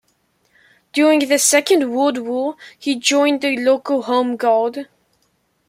During the Second World War, he joined the local Home Guard.